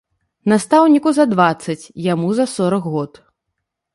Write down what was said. Настаўніку за дваццаць, яму за сорак год.